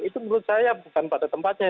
itu menurut saya bukan pada tempatnya